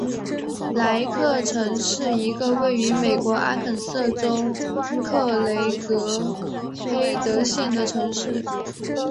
莱克城是一个位于美国阿肯色州克雷格黑德县的城市。